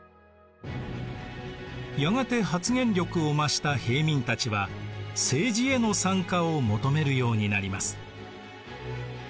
やがて発言力を増した平民たちは政治への参加を求めるようになります。